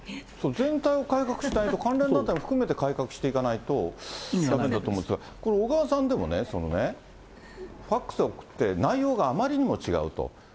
全体を改革しないと、関連団体を含めて改革していかないといけないのかと思ってたんですけど、小川さんでもね、そのね、ファックスを送って、内容があまりにも違うと。